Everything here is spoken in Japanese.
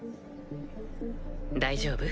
大丈夫？